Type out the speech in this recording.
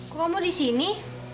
kok kamu disini